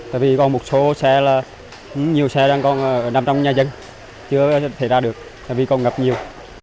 tại vì còn một số xe là nhiều xe đang còn nằm trong nhà dân chưa thể ra được vì còn ngập nhiều